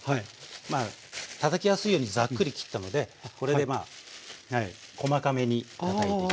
まあたたきやすいようにザックリ切ったのでこれで細かめにたたいていきます。